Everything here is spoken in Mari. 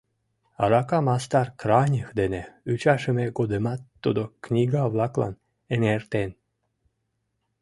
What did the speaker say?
Арака мастар Краних дене ӱчашыме годымат тудо книга-влаклан эҥертен.